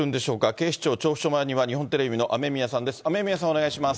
警視庁調布署前には、日本テレビの雨宮さんです。